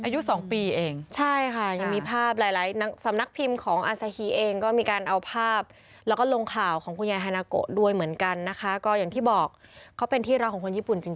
อายุสองปีเองใช่ค่ะยังมีภาพหลายสำนักพิมพ์ของอาซาฮีเองก็มีการเอาภาพแล้วก็ลงข่าวของคุณยายฮานาโกะด้วยเหมือนกันนะคะก็อย่างที่บอกเขาเป็นที่รักของคนญี่ปุ่นจริง